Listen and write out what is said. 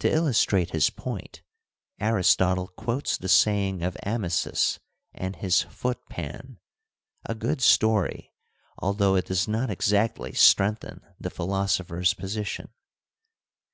To illustrate his point, Aristotle quotes the saying of Amasis and his foot pan, a good story, although it does not exactly strengthen the philosopher's position.